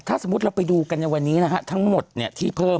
ถ้าสมมุติเราไปดูกันในวันนี้นะฮะทั้งหมดที่เพิ่ม